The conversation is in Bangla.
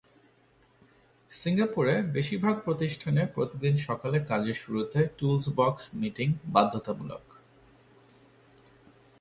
সিঙ্গাপুরে বেশির ভাগ প্রতিষ্ঠানে প্রতিদিন সকালে কাজের শুরুতে টুলস বক্স মিটিং বাধ্যতামূলক।